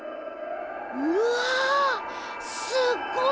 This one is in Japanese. うわすっごいや！